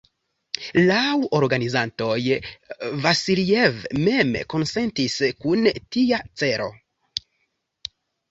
Laŭ la organizantoj, Vasiljev mem konsentis kun tia celo.